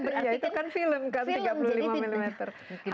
berarti kan film ya itu kan film kan tiga puluh lima mm